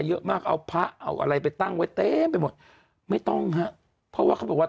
เยอะมากเอาพระเอาอะไรไปตั้งไว้เต็มไปหมดไม่ต้องฮะเพราะว่าเขาบอกว่า